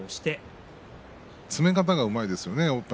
詰め方がうまいですね。